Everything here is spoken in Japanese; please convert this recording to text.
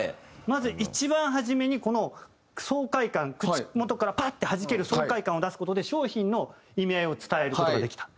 まず一番初めにこの爽快感口元からパッて弾ける爽快感を出す事で商品の意味合いを伝える事ができた。